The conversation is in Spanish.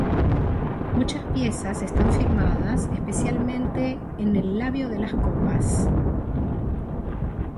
Muchas piezas están firmadas, especialmente en el labio de las copas.